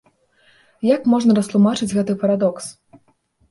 Як можна растлумачыць гэты парадокс?